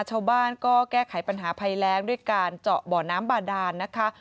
ชาวบ้านก็แก้ไขปัญหาภัยแรงด้วยการเจาะบ่อน้ำบาดานนะคะ